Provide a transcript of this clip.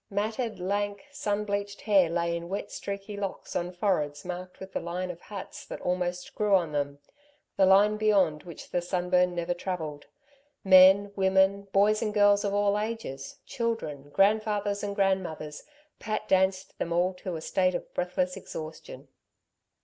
Matted, lank, sun bleached hair lay in wet streaky locks on foreheads marked with the line of hats that almost grew on them the line beyond which the sunburn never travelled. Men, women, boys and girls of all ages, children, grandfathers and grandmothers, Pat danced them all to a state of breathless exhaustion.